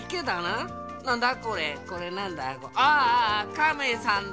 カメさんだ。